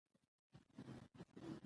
هوا د بدلون نښې ښيي